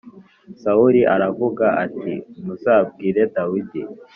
Sawuli aravuga ati “Muzabwire Dawidi “